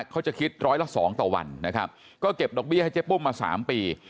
เขาจะคิดร้อยละสองต่อวันนะครับก็เก็บดอกเบี้ยให้เจ๊ปุ้มมา๓ปี